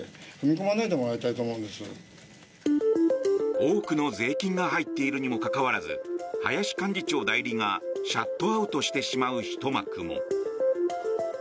多くの税金が入っているにもかかわらず林幹事長代理がシャットアウトしてしまうひと幕も。